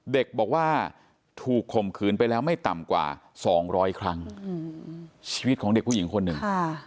เด็กบอกว่าถูกข่มขืนไปแล้วไม่ต่ำกว่าสองร้อยครั้งชีวิตของเด็กผู้หญิงคนหนึ่ง